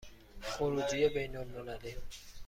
خروجی بین المللی